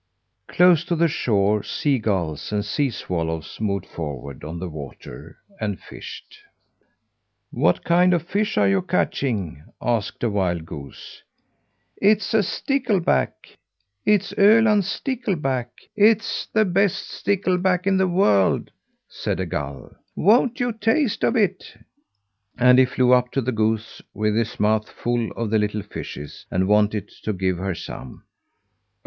Close to the shore, sea gulls and sea swallows moved forward on the water and fished. "What kind of fish are you catching?" asked a wild goose. "It's a stickleback. It's Öland stickleback. It's the best stickleback in the world," said a gull. "Won't you taste of it?" And he flew up to the goose, with his mouth full of the little fishes, and wanted to give her some.